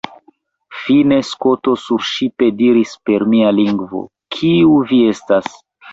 Fine, Skoto surŝipe diris per mia lingvo, “Kiu vi estas? »